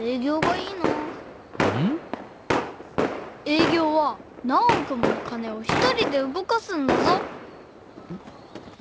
営業は何億もの金を一人で動かすんだぞ！